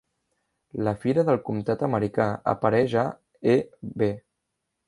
La fira del comtat americà apareix a E.B.